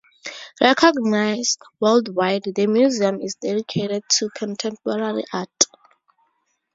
Recognized worldwide, the museum is dedicated to contemporary art.